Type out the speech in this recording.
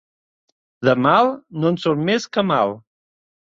De mal, no en surt més que mal.